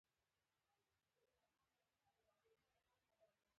تاسو اوس له فري ټاون څخه ختیځ په لور په موټر کې سفر کوئ.